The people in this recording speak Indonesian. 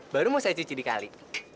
baru mau saya cuci dikali